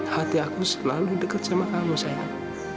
hati aku selalu dekat sama kamu sehat